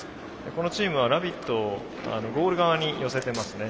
このチームはラビットをゴール側に寄せてますね。